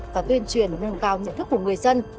và tuyên truyền nâng cao nhận thức của người dân